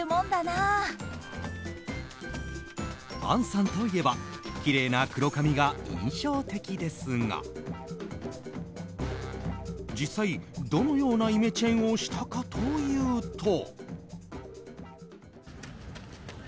杏さんといえばきれいな黒髪が印象的ですが実際どのようなイメチェンをしたかというと。